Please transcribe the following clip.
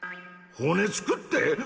骨つくって。